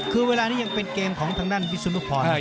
คือเวลานี้ยังเป็นเกมของทางด้านพี่ศูนย์ภูมิพันธ์หลังส่งราย